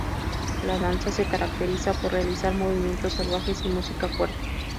La danza se caracteriza por realizar movimientos salvajes y música fuerte.